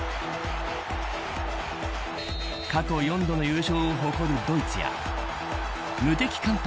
過去４度の優勝を誇るドイツや無敵艦隊